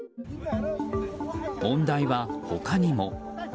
問題は、他にも。